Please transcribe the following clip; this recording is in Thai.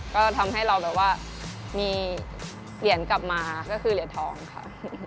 ก็ทำให้เราแบบว่ามีเหรียญกลับมาก็คือเหรียญทองค่ะ